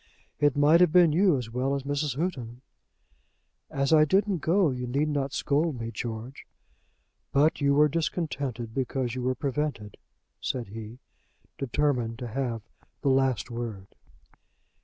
"It might have been you as well as Mrs. Houghton." "As I didn't go, you need not scold me, George." "But you were discontented because you were prevented," said he, determined to have the last word.